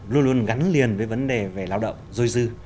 luôn luôn gắn liền với vấn đề về lao động dôi dư